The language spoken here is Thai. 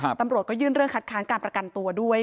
ตำรวจก็ยื่นเรื่องคัดค้านการประกันตัวด้วย